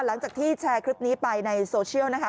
หลังจากที่แชร์คลิปนี้ไปในโซเชียลนะคะ